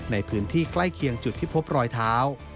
ในพื้นที่ใกล้เคียงจุดที่พบรอยเท้า